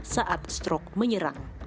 saat stroke menyerang